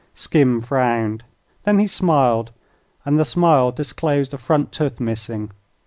Skim frowned. Then he smiled, and the smile disclosed a front tooth missing.